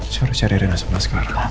saya harus cari rina sama sekarang